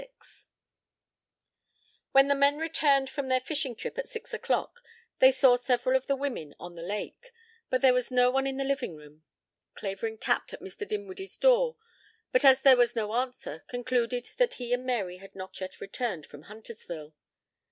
LVI When the men returned from their fishing trip at six o'clock they saw several of the women on the lake, but there was no one in the living room. Clavering tapped at Mr. Dinwiddie's door, but as there was no answer, concluded that he and Mary had not yet returned from Huntersville.